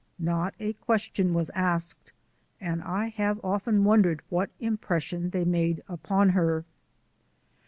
Not a question was asked and I have often wondered what impression they made upon her.